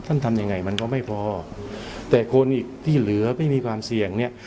ทำยังไงมันก็ไม่พอแต่คนอีกที่เหลือไม่มีความเสี่ยงเนี่ย